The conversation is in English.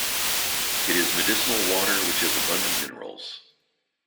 It is medicinal water which has abundant minerals.